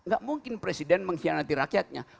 gak mungkin presiden mengkhianati rakyatnya